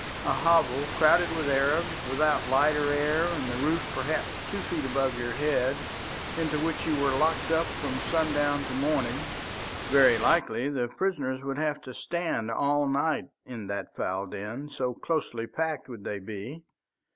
A hovel crowded with Arabs, without light or air, and the roof perhaps two feet above your head, into which you were locked up from sundown to morning; very likely the prisoners would have to stand all night in that foul den, so closely packed would they be.